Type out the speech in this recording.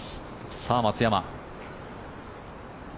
さあ、松山。